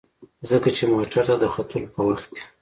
ځکه چې موټر ته د ختلو په وخت کې.